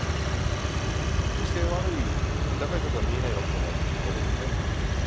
決して悪い、打開策が見えないわけじゃないと思います。